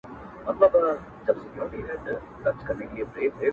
• له کارونو یې وه ستړي اندامونه ,